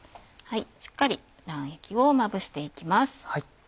しっかり卵液をまぶして行きます。